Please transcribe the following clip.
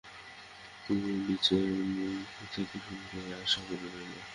কুমুর নিজের মুখ থেকেই শুনবে এই আশা করে রইল।